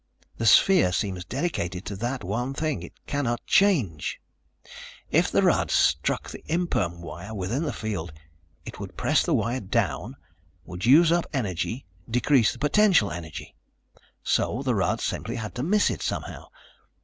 The sphere seems dedicated to that one thing ... it cannot change. If the rod struck the imperm wire within the field, it would press the wire down, would use up energy, decrease the potential energy. So the rod simply had to miss it somehow.